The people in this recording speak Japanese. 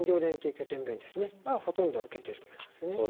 拠点病院はほとんど受けていると思いますね。